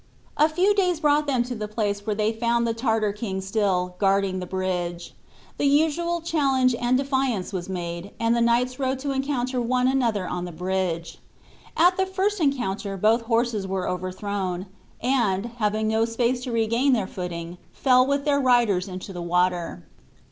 A few days brought them to the place where they found the Tartar king still guarding the bridge. The usual challenge and defiance was made, and the knights rode to encounter one another on the bridge. At the first encounter both horses were overthrown; and, having no space to regain their footing, fell with their riders into the water.